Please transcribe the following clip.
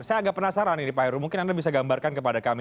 saya agak penasaran ini pak heru mungkin anda bisa gambarkan kepada kami